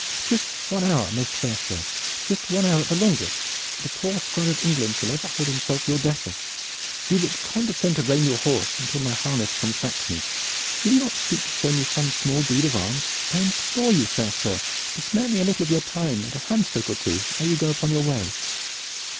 "Just one hour, most fair sir, just one hour at the longest, and a poor Squire of England shall ever hold himself your debtor! Do but condescend to rein your horse until my harness comes back to me! Will you not stoop to show me some small deed of arms? I implore you, fair sir, to spare me a little of your time and a handstroke or two ere you go upon your way!"